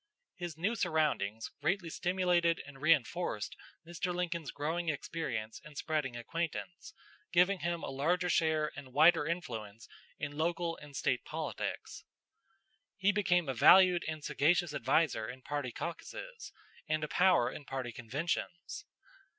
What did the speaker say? His new surroundings greatly stimulated and reinforced Mr. Lincoln's growing experience and spreading acquaintance, giving him a larger share and wider influence in local and State politics. He became a valued and sagacious adviser in party caucuses, and a power in party conventions.